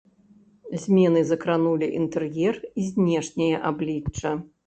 Змены закранулі інтэр'ер і знешняе аблічча.